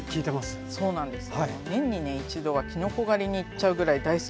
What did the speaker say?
はいそうなんです。